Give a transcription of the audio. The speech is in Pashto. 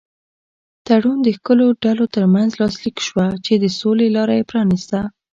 تړون د ښکېلو ډلو تر منځ لاسلیک شوه چې د سولې لاره یې پرانیسته.